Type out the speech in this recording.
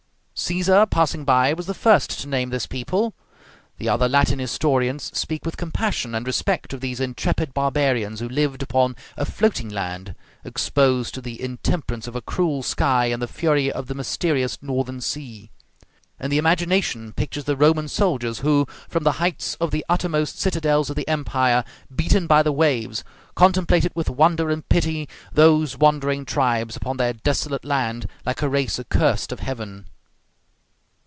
Caesar, passing by, was the first to name this people. The other Latin historians speak with compassion and respect of these intrepid barbarians who lived upon a "floating land," exposed to the intemperance of a cruel sky and the fury of the mysterious northern sea; and the imagination pictures the Roman soldiers, who, from the heights of the uttermost citadels of the empire, beaten by the waves, contemplated with wonder and pity those wandering tribes upon their desolate land, like a race accursed of heaven.